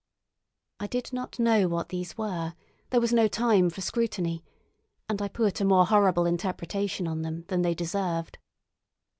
I did not know what these were—there was no time for scrutiny—and I put a more horrible interpretation on them than they deserved.